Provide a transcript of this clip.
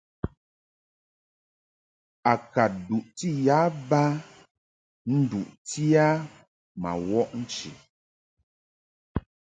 A ka duʼti ya ba nduʼti a ma wɔʼ nchi.